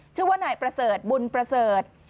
ชื่อว่านายประเสริฐบุญประเสริฐ